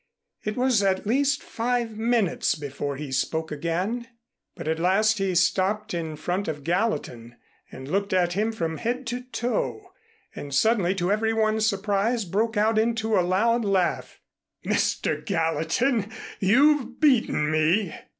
It was at least five minutes before he spoke again. But at last he stopped in front of Gallatin and looked at him from head to toe, and suddenly to every one's surprise, broke out into a loud laugh. "Mr. Gallatin, you've beaten me."